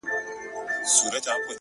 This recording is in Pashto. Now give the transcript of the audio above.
زما خوله كي شپېلۍ اشنا!